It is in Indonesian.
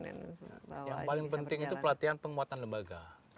yang paling penting itu pelatihan penguatan lembaga